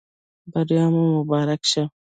بریا مو مبارک شه